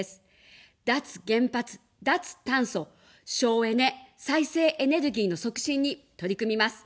脱原発、脱炭素、省エネ、再生エネルギーの促進に取り組みます。